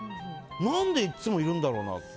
何でいつもいるんだろうなって。